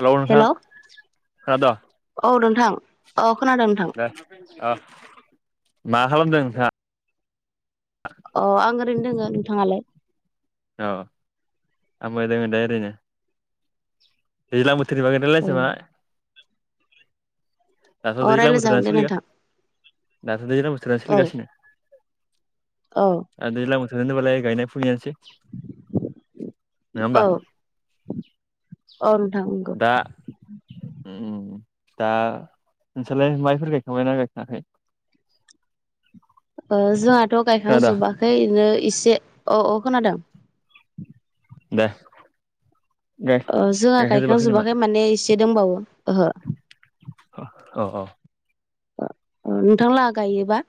हेल नोंथां हेलौ दा दा औ नोंथां औ खोनादों नोंथां दे अ मा खालामदों नोंथां अ आं ओरैनो दोङो नोंथाङालाय औ आंबो दा ओरैनो दैलां बोथोरनि बागै औ रायलायनायसै नामा दाथ' औ दैज्लां रायलायजागोन बोथोरानो दे सोलि नोंथां दाथ' दैज्लां बोथोरानो औ सोलिगासिनो औ आरो दैज्लां बो होनोबालाय गायनाय फुनियानोसै नङा औ होमबा औ नोंथां नंगौ दाउम नोंसोरलाय माइफोर गायखांबायनाा गायखङाखै जोंहाथ' गायखां खोनादो जोबाखै बिनो इसे अ अ खोनादों दे अ जोंहा गायखांजोबाखै माने एसे दंबावो ओहो अ औ औ नोंथां लाहा गायोबा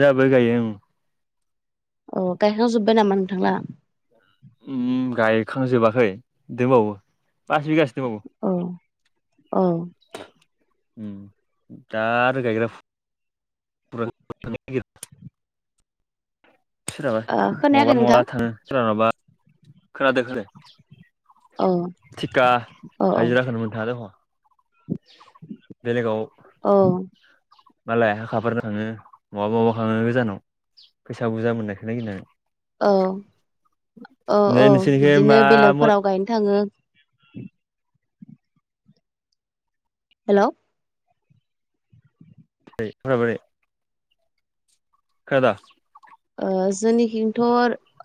जोहाबो गायो ओं अ गायखांजोब्बाय नामा नोंथां लाहा खांजोबाखै दंबावो पास बिगासो दंबावो औ औ उम दा आरो गायग्रा [unintelligible] सोरहाबा ओ खोनायाखै माबा नोंथां माबा थाङो सोरहानाबा खोनादो औ खोनादो थिखा औ हाजिराखौनो मोनथाङा दिखन बेलेगाव औ मालाय हाखाफोरनो थाङो माबा माबा थाङो गोजानाव फैसा बुरजा मोननायखौ नागिरनानै औ औ ओमफ्राय औ नोंसोरनिखै बिदिनो मा बेलेगफोराव गायनो थाङो [inaudible] हेल' खोनाबाय खोनादो ओ जोंनिखिंथ'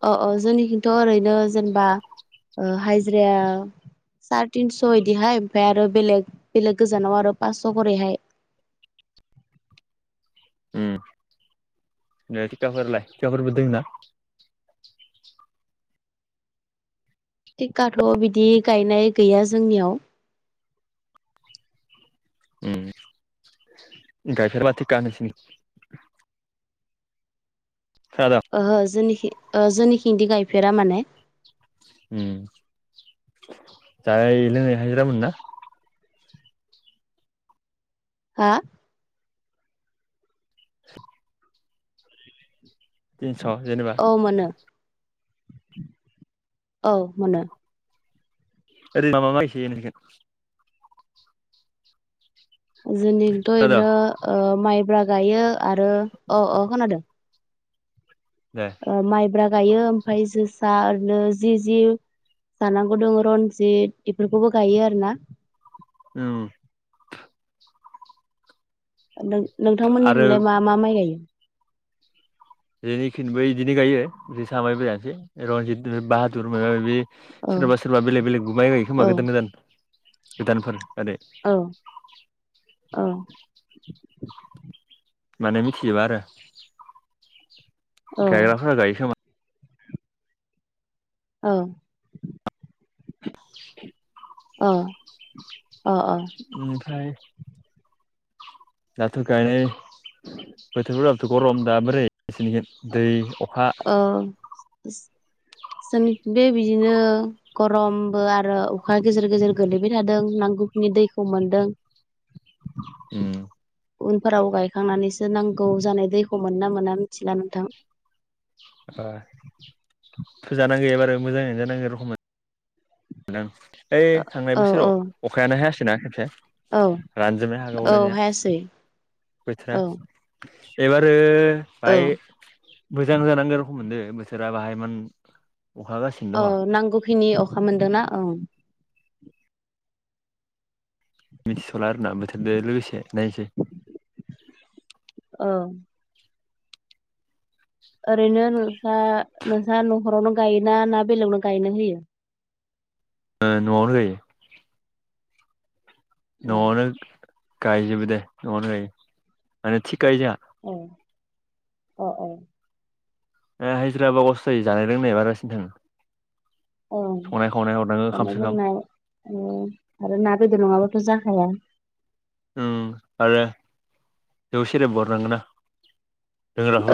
अ अ जोंनिखिंथ' ओरैनो जेनेबा ओ हाइजिराया साराय तिनस' बिदिहाय ओमफ्राय आरो बेलेग बेलेग गोजानाव आरो पास' खरैहाय [inaudible] उम थिखाफोरलाय थिखाफोरबोथ होयोना थिकाथ' बिदि गायनाय गैया जोंनियाव उम गायफेरला थिखा नोंसिनि खोनादों ओहो जोंनिखि जोंनिखिंदि गायफेरा माने उम जाय लोंनाय हाजिरामोन ना हा तिनस' जेनेबा औ मोनो औ मोनो [unintelligible] जोंनिथ' खोनादों ओरैनो माइब्रा गायो आरो अ-अ खोनादों दे ओ माइब्रा गायो ओमफ्राय जोसा ओरैनो जि-जि जानांगौ दङ रनजित बेफोरखौबो गायो आरोना उम नों आरो नोंथांमोननिथिंलाय मा-मा माइ गायो जोनिखिनिबो इदिनो गायो बि सामाय बेजानोसै रनजित बाहादुर माबा औ सोरबा सोरबा बेलेग बेलेगबो माय गायो खोमा गोदान गोदानफोर ओरै औ-औ माने मिथिजोबा आरो औ गायग्राफोरा गायोखो औ अ-अ-अ ओमफ्राय दाथ' गायनाय बोथोरफोराबोथ' गरम दा बोरै एसेनिखौ दै अ अ जों बे बिदिनो गरमबो आरो अखा गेजेर गेजेर गोलैबाय थादों नांगौ गुखनि दैखौ मोनदों उम उनफोराव गायखांनानैसो नांगौ जानाय दैखौ मोनो ना मोना मिथिला नोंथां अ फोजानांगो एबार मोजाङैनो जानांगो रखम ओइ थांनाय औ औ बोसोराव अखायानो हायासै ना खेबसे औ रानजोबनाय हा औ गावलायनाया हायासै बोथोरा औ एबारो औ बाय मोजां जानांगो रखम मोनदो बोथोरा बाहाया इमान अखा हागासिनो दङ फिनि अखा मोनदोंना औ मिथिस'ला आरोना बोथोरजों लोगोसे नायनोसै औ ओरैनो नोंसा नोंस्रा न'खरावनो गायोना ना बेलेगनाव गायनो होयो ओ न 'आवनो गायो औ न'आवनो गायजोबो दे न'आवनो गायो माने थिग गायो जोंहा औ अ औ ओ हाजिराबा लस जायो जानाय लोंनाय बारासिन थाङो औ संनाय खावनाय हरनांगौ ओंखाम जानाय सोखाम लोंनाय आरो ना गोदो नङाबाथ' जाखाया औ आरो जौ सेरेब हरनांगोना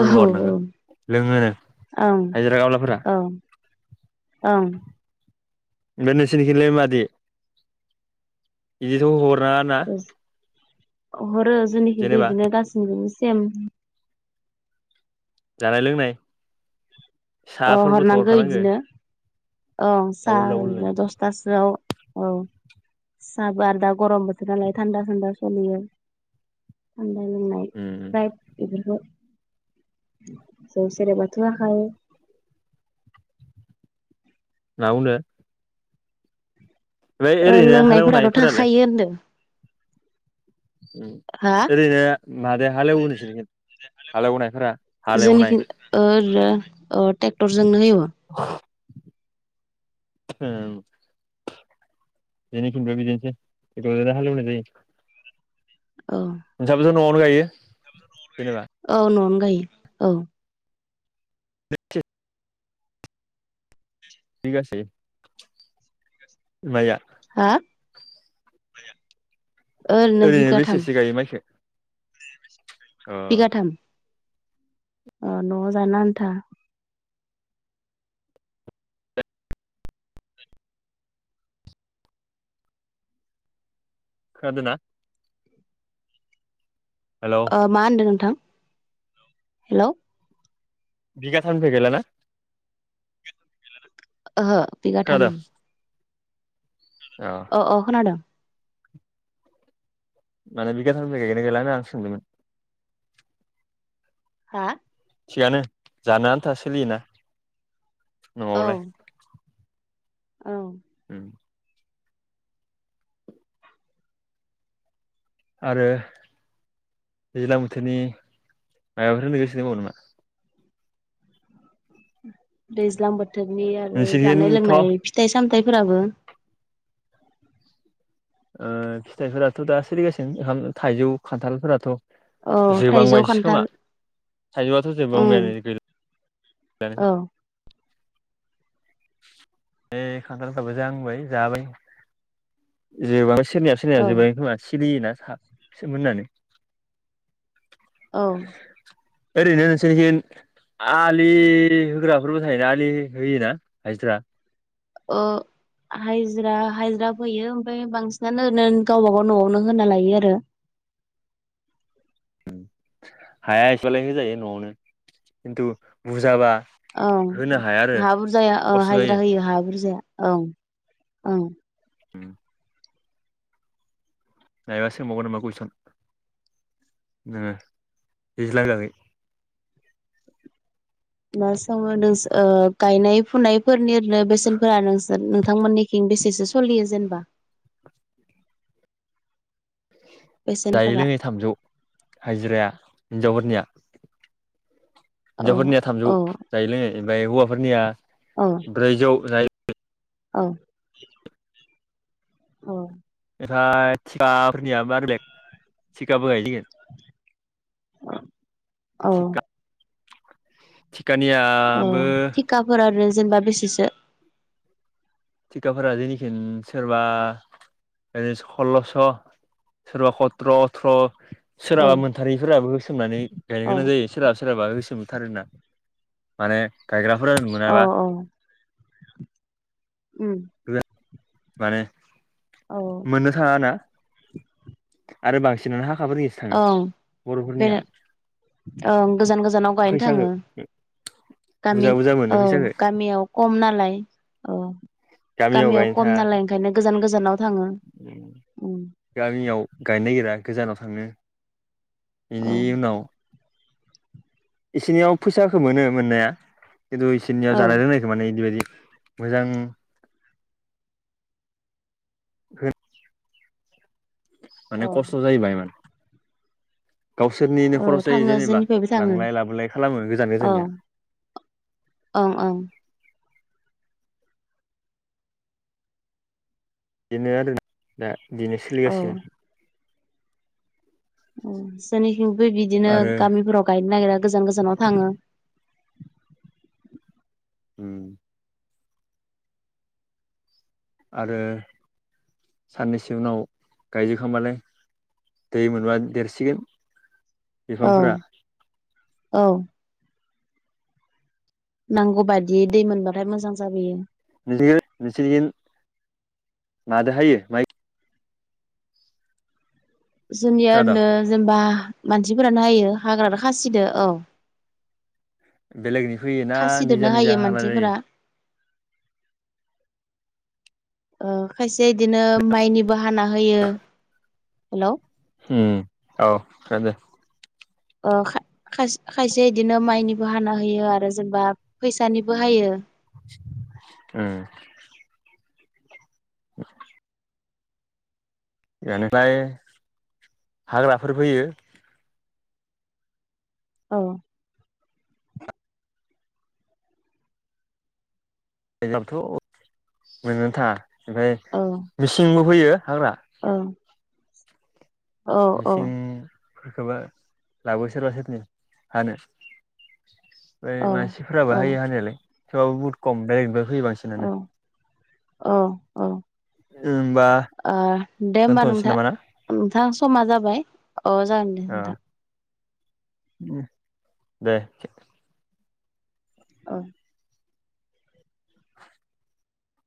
औ हरनांगौ ओं लोङोनो हायजिरा खामलाफोरा ओं ओं ओमफ्राय नोंसोरनिखिलाय मादै बिदिथ' हरनाङा ना हरो जोंनिखिबो जेनेबा इदिनो गासिनिखिबो सेम जानाय लोंनाय औ साहाफोरबोथ' हरनांगौ हरखानांगो इदिनो औ सा डाबल डाबलनो होयो दसथासोआव औ साहाबो आरो दा गरम बोथोर नालाय थान्दा थान्दा सलियो थानदा लोंनाय उम जाय इफोरखो जौ सेरेबाथ थाखायो नावनो लोंनायफोराथ' हालेवनायफोरालाय थाखायो होनदों ओम हा औरैनो मादो हाले एवयो नोंसोरनिखि जोंनिखि ओ ट्रेक्टरजोंनो हेवो हम जोंनि थिंबो बिदिनो हाल एवनाय जायो औ नोंसाबोथ' न'आवनो गायो जेनेबा औ न'आवनो गायो औ बिगा बेसे माया हा ओरैनो बिगाथाम बेसेसो गायो माइखो अ बिगााथाम न'आव जान आन्था खोनादों ना हेलौ मा होनदों नोंथां हेल' बिगा थान फै गैला ना ओहो खोनादों बिगाथामोन अ अ खोनादों माने बिगाथामनिफ्राय गायोनाय गायलिया आं सोंदोंमोन हा थिगानो जानो आन्था सोलियोना औ न'आवलाय औ औ आरो दैज्लां बोथोरनि माबाफोर सोलिगसेनो दं नामा दैज्लां बोथोरनि आरो जानाय नोंसोरनिथ' ओ लोंनाय फिथाइ सामथायाइफोराबो फिथाइफोराथ' दा सोलिगासिनो ओंखाम थाइजौ खान्थालफोराथ' औ थाइजौ जोबहांबायसै खोमा खान्थाल थाइजौआथ' ओम जोबांबायानो गैला जोंना औ ए खान्थालफ्राबो जांबाय जाबाय जां सोरनिया सोरनिया औ जोबबाय खोमा सिरियोना थाब सोमोननानै औ ओरैनो नोंसोरनि आलि होग्राफोरबो थायोना आलि होयोना हाइज्रा ओ हाजिरा हाजिरा फैयो ओमफ्राय बांसिनानो ओरनो गावबागाव न'आवनो होना लायो आरो [inaudible] हाया एसेबालाय होजायो न'आवनो खिन्थु बुरजाबा औ होनो हाया आरो हा बुरजाया औ खस्थ' जायो हाजिरा होयो हा बुरजाया औ औ उम नायबा सोंबावगोन नामा कुइसन नै दैज्लांनि बागै मा सोंबावनो ओ गायनाय फुनायफोरनि बेसेनफोरा नोंसोर नोंथांमोनि थिन बेसेसो सोलियो जेनेबा जायै बेसेनफोरा लोङै थामजौ हाजिराया हिनजावफोरनिया औ हिनजावफोरनिया थामजौ औ जायै लोङै ओमफ्राय हौवाफोरनिया औ ब्रैजौ जायै औ उम ओमफ्राय थिखाफोरनिया मा बेलेग थिखाबो गायो औ थिखा अ थिखानियाबो थिखाफोर आरो जेनेबा बेसेसो थिखाफोरा जोंनिथिं सोरबा सल्ल'स' सोरबा सथ्र' अथ्र' औ सोरहाबा मोनथारैफोराबो होसोमनानै गायनो औ गोनां जायो सोराबा सोरहाबा होसोम थारोना माने गायग्राफोरा औ मोनाबा औ उम माने औ मोननो थाङा ना आरो बांसिनानो हा ओं बे ओं गोजान गोजानाव गायनो फैसाखो थाङो गामि बुरजा बुरजा मोनो औ फैसाखो गामियाव खम नालाय औ गामियाव गायनो खम थाङा नालाय ओंखायनो गोजान गोजानाव थाङो उम गामियाव गायनो नागिरा गोजानाव थांनो औ इनि उनाव इसोरनियाव फैसाखौ मोनो मोननाया खिनथु इसोरनियाव औ जानाय लोंनायखौ माने ओरैबायदि मोजां माने औ खसथ' जायो बायाइ मान गावसोरनिनो खर'ज औ जायो थाङो जेनेबा जोंनिफ्रायबो थाङो लांलाय लाबोलाय खालामो गोजान गोजाननिया औ ओं बेदिनो आरोना दा बिदिनो औ सोलिगासिनो जोंनिथिं बिदिनो आरो गामिफोराव गाय नागिरा गोजान गोजानाव थाङो उम आरो साननैसो उनाव गायजोबखांबालाय दै मोनबा देरसिगोन औ बिफांफोरा औ नांगौ बायदि दै मोनबाथाय मोजां जाबोयो [unintelligible] मादो हायो माइ जोंनिया खोनादों ओरैनो जेनेबा मानसिफोरानो हायो हाग्रादो खासिदो औ बेलेगनि फैयो ना खासिदोनो निजा हायो निजा हाला मानसिफोरा जायो ओ खायसे बिदिनो माइनि बो हाना होयो हेलौ हो औ खोनादो। ओ खा-खाय-खायसे इदिनो माइनिबो हाना होयो आरो जेनेबा फैसानिबो हायो। ओम [unintelligible] बेनिफ्राय हाग्राफोर फैयो। औ जोंनावथ' मोननोबो थाङा ओमफ्राय मेसिंबो फैयो हाग्रा। अ मेसिंफोरखौबो लाबोयो सोरबा सोरबि हानो बे औ मानसिफोराबो औ हायो हानायालाय थेवबाबो बहुत खम बेलेगनिफ्राय फैयो बांसिनानो। अ अ ओम ओ दे होमबा नोंथां ना? नोंथां समा जाबाय। अ जागोन दे नोंथां। उम दे औ